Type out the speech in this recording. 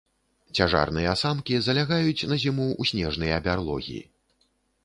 Цяжарныя самкі залягаюць на зіму ў снежныя бярлогі.